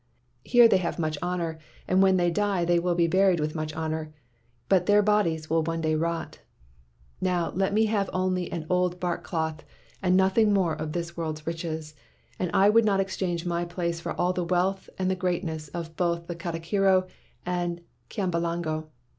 Here they have much honor, and when they die they will be buried with much honor, but yet their bodies will one day rot. " 'Now let me have only an old bark cloth, and nothing more of this world's riches, and I would not exchange my place for all the wealth and all the greatness of both the ka tikiro and Kyambalango.